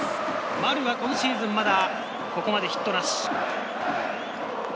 丸は今シーズン、まだここまでヒットなし。